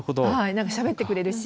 何かしゃべってくれるし。